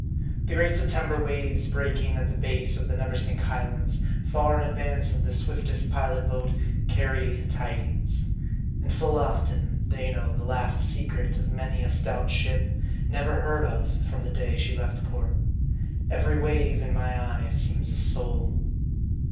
The great September waves breaking at the base of the Neversink Highlands, far in advance of the swiftest pilot boat, carry tidings. And full often, they know the last secret of many a stout ship, never heard of from the day she left port. Every wave in my eyes seems a soul.